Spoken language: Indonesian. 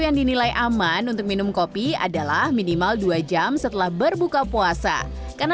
yang dinilai aman untuk minum kopi adalah minimal dua jam setelah berbuka puasa karena